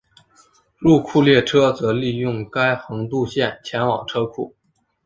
入库列车则利用该横渡线前往车库。